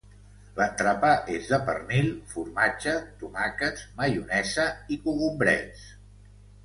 L'entrepà és de pernil, formatge, tomàquets, maionesa i cogombrets.